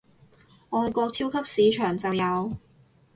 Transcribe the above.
外國超級市場就有